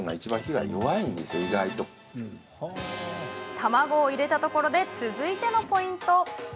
卵を入れたところで続いてのポイント。